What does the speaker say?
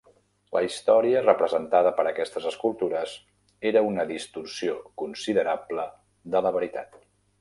La història representada per aquestes escultures era una distorsió considerable de la veritat.